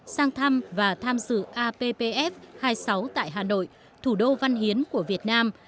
sang thăm và tham dự appf hai mươi sáu tại hà nội thủ đô văn hiến của việt nam